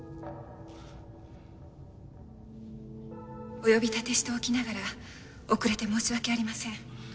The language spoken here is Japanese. お呼び立てしておきながら遅れて申し訳ありません。